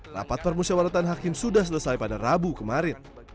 rapat permusyawaratan hakim sudah selesai pada rabu kemarin